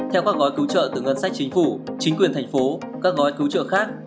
theo các gói cứu trợ từ ngân sách chính phủ chính quyền thành phố các gói cứu trợ khác